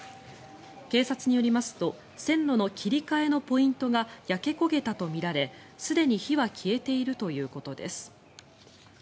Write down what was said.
警察によりますと線路の切り替えのポイントが焼け焦げたとみられ、すでに火は消えているということです。